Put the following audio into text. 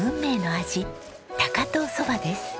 高遠そばです。